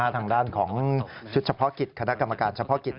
ทางด้านของชุดเฉพาะกิจคณะกรรมการเฉพาะกิจ